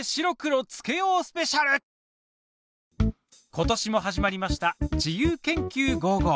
今年も始まりました「自由研究５５」。